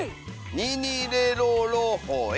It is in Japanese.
「ニニレロロホエ」。